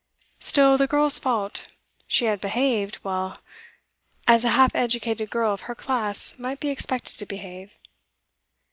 Still, the girl's fault; she had behaved well, as a half educated girl of her class might be expected to behave.